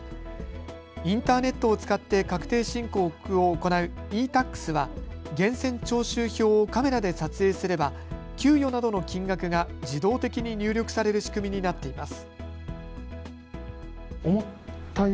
インターネットを使って確定申告を行うｅ−Ｔａｘは源泉徴収票をカメラで撮影すれば給与などの金額が自動的に入力される仕組みになっています。